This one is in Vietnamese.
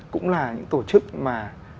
cũng là những tổ chức mà